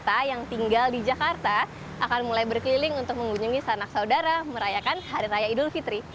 dan juga di kota yang tinggal di jakarta akan mulai berkeliling untuk mengunjungi sanak saudara merayakan hari raya idul fitri